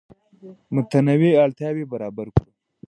متنوع اړتیاوې برابر کړو.